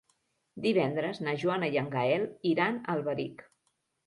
Divendres na Joana i en Gaël iran a Alberic.